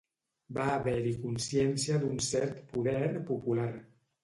Va haver-hi consciència d’un cert poder popular.